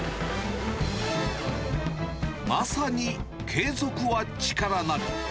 まさに継続は力なり。